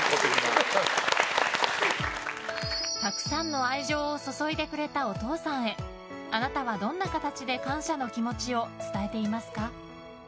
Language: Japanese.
たくさんの愛情を注いでくれたお父さんへあなたはどんな形で感謝の気持ちを伝えていますか？